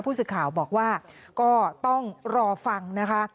ผู้สื่อข่าวบอกว่าก็ต้องรอฟังนะคะ